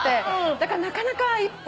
だからなかなか一歩。